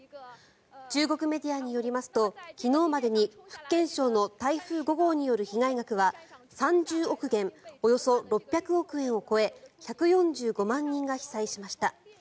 中国メディアによりますと昨日までに福建省の台風５号による被害額は３０億元およそ６００億円を超え１４５万人が被災しました。